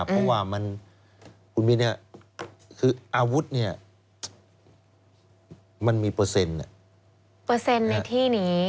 เพราะว่าคุณมินคืออาวุธเนี่ยมันมีเปอร์เซ็นต์เปอร์เซ็นต์ในที่นี้